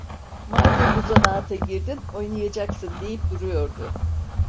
Madem bu zanaata girdin, oynayacaksın! deyip duruyordu.